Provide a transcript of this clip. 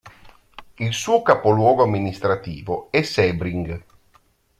Il suo capoluogo amministrativo è Sebring.